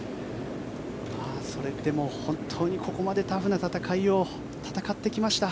それでも本当にここまでタフな戦いを戦ってきました。